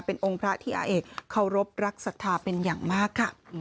เป็นองค์พระที่อาเอกเคารพรักศรัทธาเป็นอย่างมากค่ะ